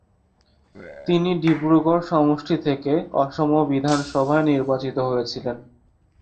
তিনি ডিব্রুগড় সমষ্টি থেকে অসম বিধান সভায় নির্বাচিত হয়েছিলেন।